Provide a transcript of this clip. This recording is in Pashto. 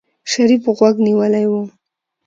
شريف غوږ نيولی و.